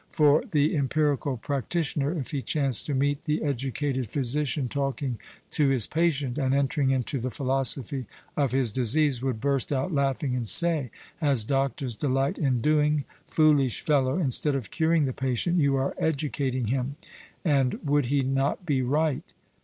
For the empirical practitioner, if he chance to meet the educated physician talking to his patient, and entering into the philosophy of his disease, would burst out laughing and say, as doctors delight in doing, 'Foolish fellow, instead of curing the patient you are educating him!' 'And would he not be right?'